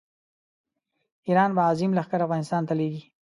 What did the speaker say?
ایران به عظیم لښکر افغانستان ته لېږي.